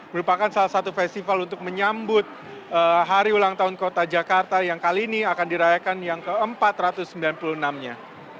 merupakan salah satu festival untuk menyambut hari ulang tahun kota jakarta yang kali ini akan dirayakan yang ke empat ratus sembilan puluh enam nya